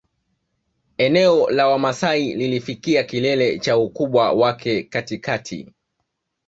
Eneo la Wamasai lilifikia kilele cha ukubwa wake katikati